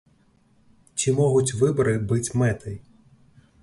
Ці могуць выбары быць мэтай?